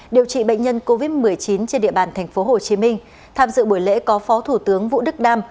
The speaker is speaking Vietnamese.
điều trị bệnh nhân covid một mươi chín trên địa bàn tp hcm tham dự buổi lễ có phó thủ tướng vũ đức đam